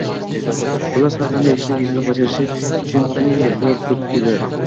xullas har qanday ishni tezroq bajarishi uchun eng zo‘r turtkidir.